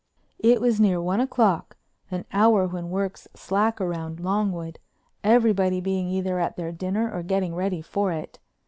It was near one o'clock, an hour when work's slack round Longwood, everybody being either at their dinner or getting ready for it.